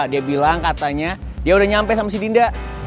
dia bilang katanya dia udah nyampe sama si dinda